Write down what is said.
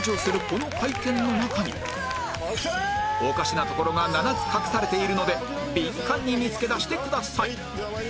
この会見の中におかしなところが７つ隠されているのでビンカンに見つけ出してください